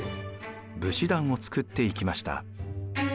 武士団を作っていきました。